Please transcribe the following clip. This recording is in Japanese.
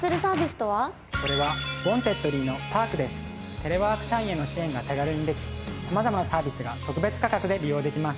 テレワーク社員への支援が手軽にでき様々なサービスが特別価格で利用できます。